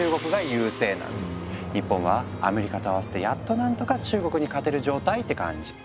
日本はアメリカと合わせてやっと何とか中国に勝てる状態って感じ。